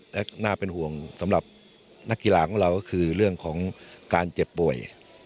และน่าเป็นห่วงสำหรับนักกีฬาของเราก็คือเรื่องของการเจ็บป่วย